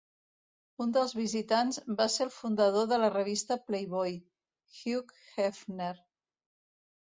Un dels visitants va ser el fundador de la revista Playboy, Hugh Hefner.